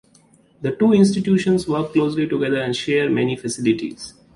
The two institutions work closely together and share many facilities.